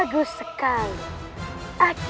ini mah aneh